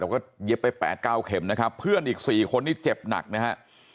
ก็เย็บไป๘๙เข็มนะครับเพื่อนอีก๔คนนี้เจ็บหนักนะฮะ